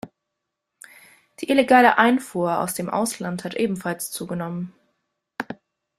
Die illegale Einfuhr aus dem Ausland hat ebenfalls zugenommen.